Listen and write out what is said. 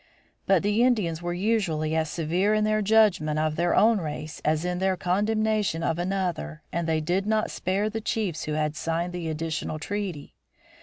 But the Indians were usually as severe in their judgment of their own race as in their condemnation of another and they did not spare the chiefs who had signed the additional treaty.